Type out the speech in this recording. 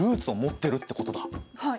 はい。